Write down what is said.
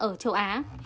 ở châu á